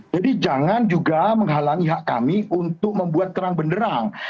jadi jangan juga menghalangi hak kami untuk membuat terang benerang